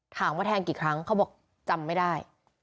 แทงกี่ครั้งเขาบอกจำไม่ได้